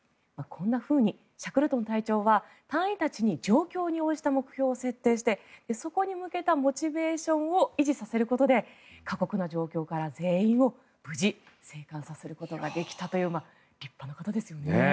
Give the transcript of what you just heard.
こんなふうにシャクルトン隊長は隊員たちに状況に応じた目標を設定してそこに向けたモチベーションを維持させることで過酷な状況から全員を無事生還させることができたという立派な方ですよね。